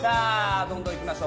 どんどんいきましょう。